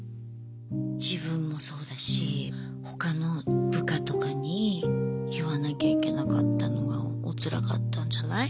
自分もそうだし他の部下とかに言わなきゃいけなかったのがおつらかったんじゃない？